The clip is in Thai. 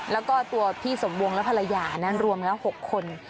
แล้วก็ตัวพี่สมวงและภรรยานะรวมแล้ว๖คน